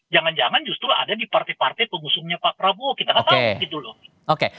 jangan jangan justru ada di partai partai pengusungnya pak prabowo kita nggak tahu gitu loh